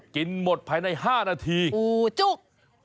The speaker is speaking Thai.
กินหมดภายใน๕นาทีจุก